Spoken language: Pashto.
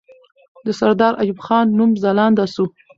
د سردار ایوب خان نوم ځلانده سو.